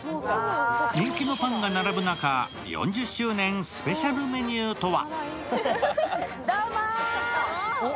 人気のパンが並ぶ中、４０周年スペシャルメニューとは。